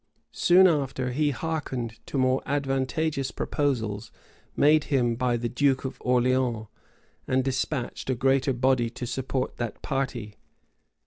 [*] Soon after, he hearkened to more advantageous proposals made him by the duke of Orleans, and despatched a greater body to support that party.